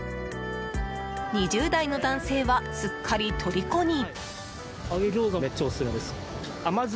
２０代の男性は、すっかり虜に。